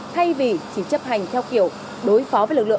thay vì chỉ chấp hành theo kiểu